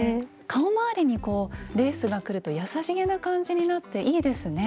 顔まわりにこうレースがくると優しげな感じになっていいですね。